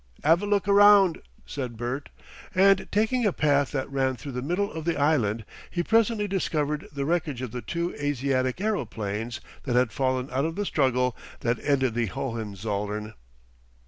"'Ave a look round," said Bert, and taking a path that ran through the middle of the island he presently discovered the wreckage of the two Asiatic aeroplanes that had fallen out of the struggle that ended the Hohenzollern.